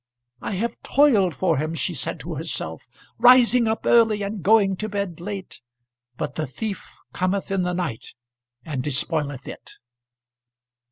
"I have toiled for him," she said to herself, "rising up early, and going to bed late; but the thief cometh in the night and despoileth it."